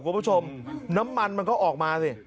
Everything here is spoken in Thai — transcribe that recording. คุณผู้ชมน้ำมันมันก็ออกมาสิ